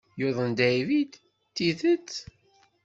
Yuḍen David, d tidet?